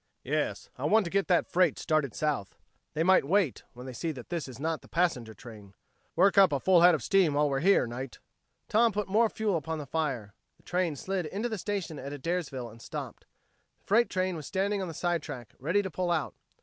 "Yes. I want to get that freight started south. They might wait, when they see that this is not the passenger train. Work up a full head of steam while we're here, Knight." Tom put more fuel upon the fire. The train slid into the station at Adairsville and stopped. The freight train was standing on the side track, ready to pull out.